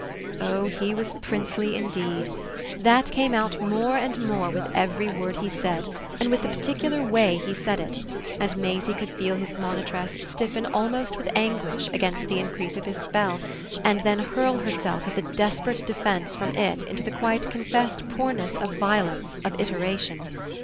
Oh he was princely indeed: that came out more and more with every word he said and with the particular way he said it, and Maisie could feel his monitress stiffen almost with anguish against the increase of his spell and then hurl herself as a desperate defence from it into the quite confessed poorness of violence, of iteration.